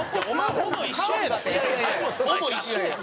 ほぼ一緒やん。